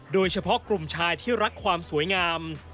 โดยเฉพาะกลุ่มชายที่รักความสวยงาม